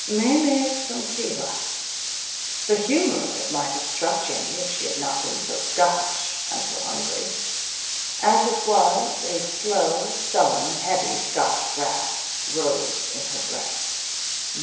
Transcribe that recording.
Maymeys from Cuba. The humor of it might have struck Jennie if she had not been so Scotch, and so hungry. As it was, a slow, sullen, heavy Scotch wrath rose in her breast.